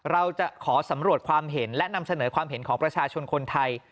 เราจะขอสำรวจความเห็นและนำเสนอความเห็นของประชาชนคนไทย